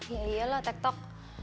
iya iyalah tek tek